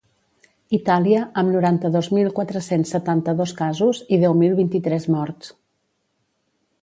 Itàlia, amb noranta-dos mil quatre-cents setanta-dos casos i deu mil vint-i-tres morts.